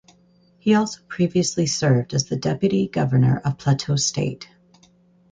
He also previously served as the deputy Governor of Plateau State.